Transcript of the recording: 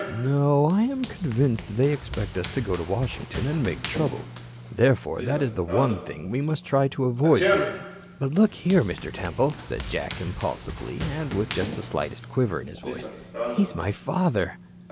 No, I am convinced they expect us to go to Washington and make trouble. Therefore, that is the one thing we must try to avoid doing." "But, look here, Mr. Temple," said Jack, impulsively and with just the slightest quiver in his voice, "he's my father."